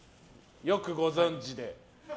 よくご存じで。